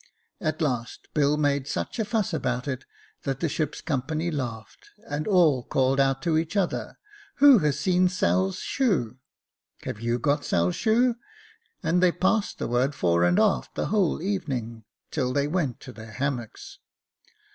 At last. Bill made so much fuss about it that the ship's company laughed, and all called out to each other, ' Who has seen Sail's shoe ?'—' Have you got Sail's shoe ?' and they passed the word fore and aft the whole evening, till they went to their hammocks.